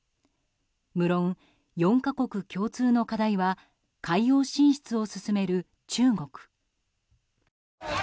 むろん４か国共通の課題は海洋進出を進める中国。